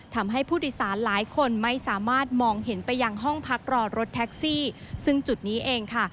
ทำให้ผู้โดยสารหลายคนไม่สามารถมองเห็นไปยังห้องพักรอรถแท็กซี่ซึ่งจุดนี้เองค่ะ